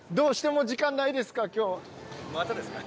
またですか？